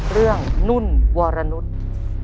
เรื่องนุ่นวรณุษย์